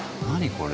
これ。